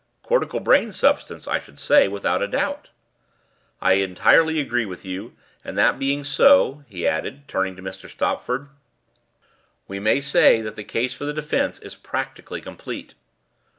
"Cortical brain substance, I should say, without a doubt." "I entirely agree with you. And that being so," he added, turning to Mr. Stopford, "we may say that the case for the defence is practically complete."